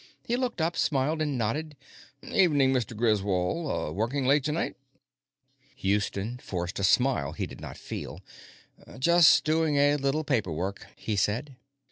He looked up, smiled, and nodded. "Evening, Mr. Griswold; working late tonight?" Houston forced a smile he did not feel. "Just doing a little paper work," he said.